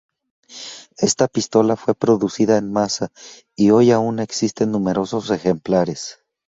Esta pistola fue producida en masa y hoy aún existen numerosos ejemplares.